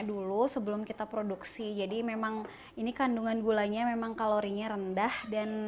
dulu sebelum kita produksi jadi memang ini kandungan gulanya memang kalorinya rendah dan